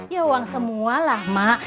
ya uang semualah ma